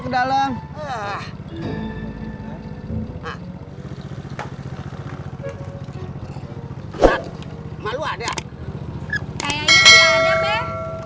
kayaknya dia ada bek